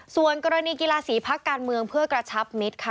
ส่วนกรณีกีฬาสีพักการเมืองเพื่อกระชับมิตรค่ะ